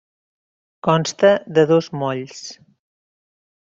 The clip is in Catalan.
Consta de dos molls.